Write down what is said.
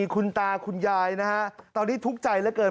คุณตาคุณยายนะฮะตอนนี้ทุกข์ใจเหลือเกิน